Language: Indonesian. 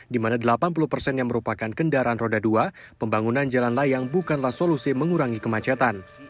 di mana delapan puluh persen yang merupakan kendaraan roda dua pembangunan jalan layang bukanlah solusi mengurangi kemacetan